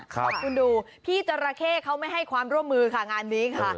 คุณดูพี่จราเข้เขาไม่ให้ความร่วมมือค่ะงานนี้ค่ะ